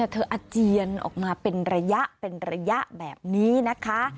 อาเจียนออกมาเป็นระยะเป็นระยะแบบนี้นะคะ